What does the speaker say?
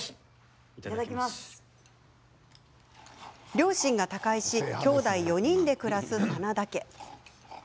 両親が他界し、きょうだい４人で暮らす真田家。